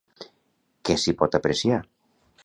Què s'hi pot apreciar?